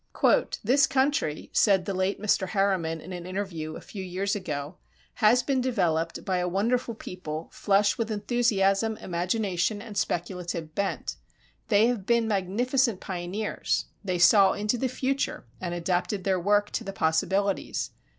"This country," said the late Mr. Harriman in an interview a few years ago, "has been developed by a wonderful people, flush with enthusiasm, imagination and speculative bent. ... They have been magnificent pioneers. They saw into the future and adapted their work to the possibilities.